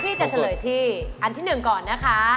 พี่จะเฉลยที่อันที่หนึ่งก่อนนะคะ